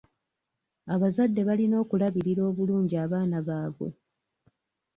Abazadde balina okulabirira obulungi abaana baabwe.